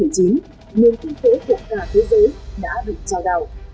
nguyên kinh tế của cả thế giới đã bị trao đào